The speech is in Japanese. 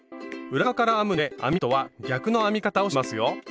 裏側から編むので編み図とは逆の編み方をしますよ。